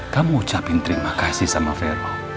kamu ucapin terima kasih sama vero